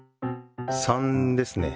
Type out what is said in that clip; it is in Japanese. ３ですね。